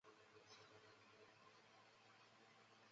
一致同意在防控新冠肺炎疫情期间